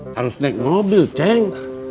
harus naik mobil ceng